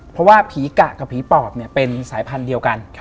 เพราะว่าผีกะกับผีปอบเป็นสายพันธุ์เดียวกัน